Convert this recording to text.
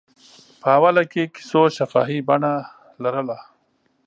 په اوله کې کیسو شفاهي بڼه لرله.